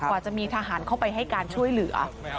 กว่าจะมีทหารเข้าไปให้การช่วยเหลือ